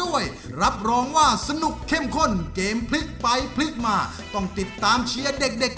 รับรองว่าสนุกเข้มข้นเกมพลิกไปพลิกมาต้องติดตามเชียร์เด็กเด็ก